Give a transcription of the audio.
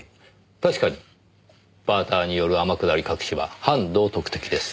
確かにバーターによる天下り隠しは反道徳的です。